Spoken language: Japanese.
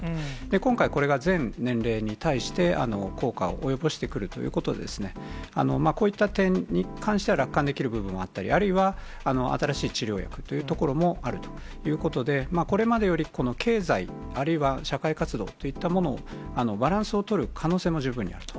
今回、これが全年齢に対して効果を及ぼしてくるということですね、こういった点に関しては、楽観できる部分があったり、あるいは新しい治療薬というところもあるということで、これまでより、経済、あるいは社会活動といったもの、バランスを取る可能性も十分あると。